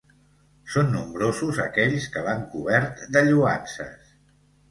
Són nombrosos aquells que l'han cobert de lloances.